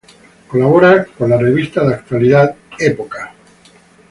Colabora con la revista de actualidad "Época".